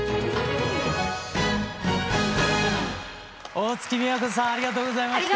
大月みやこさんありがとうございました。